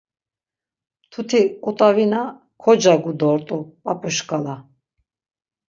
Mtuti ǩut̆avina kocagu dort̆u p̌ap̌u şǩala.